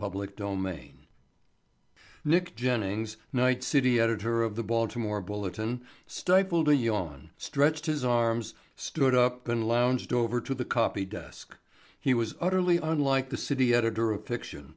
Chapter Fourteen Nick Jennings, night city editor of the Baltimore Bulletin, stifled a yawn, stretched his arms, stood up and lounged over to the copy desk. He was utterly unlike the city editor of fiction.